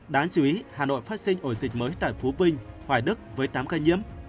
đáng chú ý hà nội phát sinh ổ dịch mới tại phú vinh hoài đức với tám ca nhiễm